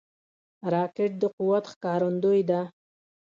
راکټ د قوت ښکارندوی ده